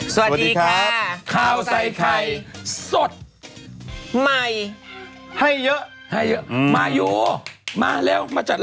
สวัสดีครับข้าวใส่ไข่สดใหม่ให้เยอะให้มาอยู่มาแล้วมาจัด